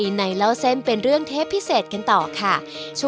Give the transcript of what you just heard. กลับมาสืบสาวเรื่องราวความประทับใจ